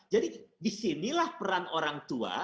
jadi disinilah peran orang tua